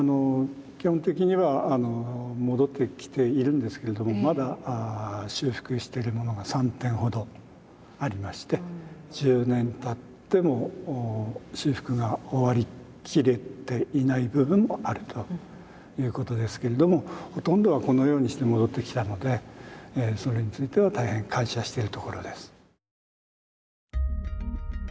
基本的には戻ってきているんですけどもまだ修復してるものが３点ほどありまして１０年たっても修復が終わりきれていない部分もあるということですけれどもほとんどはこのようにして戻ってきたのでそれについては大変感謝してるところです。